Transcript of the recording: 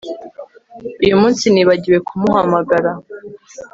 Uyu munsi nibagiwe kumuhamagara